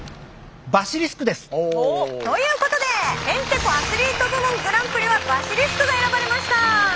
バシリスクです。ということでへんてこアスリート部門グランプリはバシリスクが選ばれました！